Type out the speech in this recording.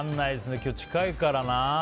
今日、近いからな。